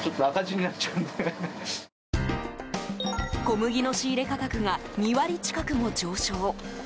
小麦の仕入れ価格が２割近くも上昇。